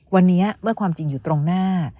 วันนี้เมื่อความจริงอยู่ตรงหน้า